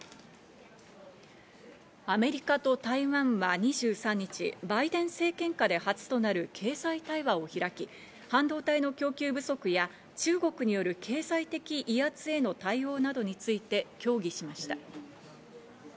アメリカと台湾は２３日、バイデン政権下で初となる経済対話を開き、半導体の供給不足や中国による経済的威圧への対応などについて協議しました。